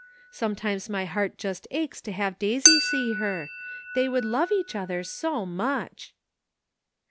Sometimes my heart just aches to have Daisy see her ; they would love each other so much